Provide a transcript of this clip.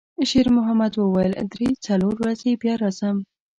شېرمحمد وویل: «درې، څلور ورځې بیا راځم.»